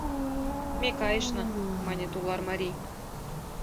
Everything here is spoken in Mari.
— Ме кайышна, — мане тулар марий.